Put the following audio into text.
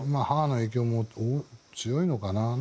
母の影響も強いのかな。